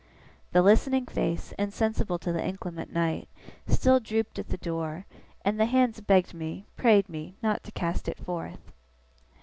The listening face, insensible to the inclement night, still drooped at the door, and the hands begged me prayed me not to cast it forth.